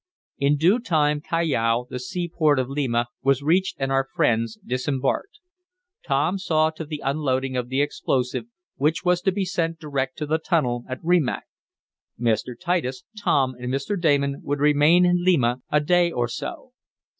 In due time Callao, the seaport of Lima, was reached and our friends disembarked. Tom saw to the unloading of the explosive, which was to be sent direct to the tunnel at Rimac. Mr. Titus, Tom and Mr. Damon would remain in Lima a day or so.